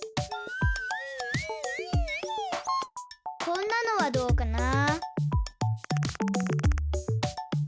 こんなのはどうかな。